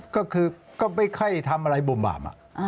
ก็คือก็ไม่ค่อยทำอะไรบุ่มบาป